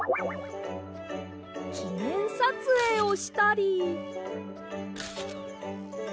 きねんさつえいをしたり。